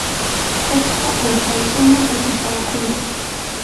achka ulpaykuna takipaakuyan.